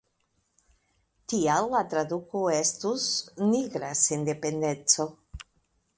Tial la traduko estus «Nigra Sendependeco».